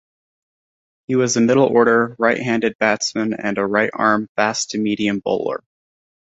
He was a middle order right-handed batsman and a right-arm fast-to-medium bowler.